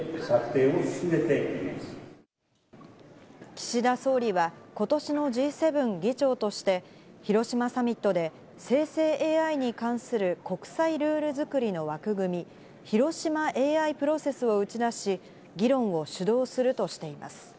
岸田総理はことしのＧ７議長として広島サミットで生成ＡＩに関する国際ルール作りの枠組み・広島ＡＩプロセスを打ち出し、議論を主導するとしています。